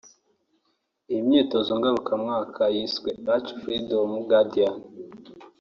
Iyi myitozo ngarukamwaka yiswe Ulchi Freedom Guardian